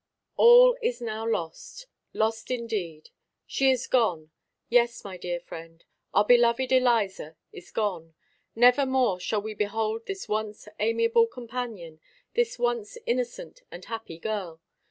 All is now lost; lost indeed! She is gone! Yes, my dear friend, our beloved Eliza is gone! Never more shall we behold this once amiable companion, this once innocent and happy girl.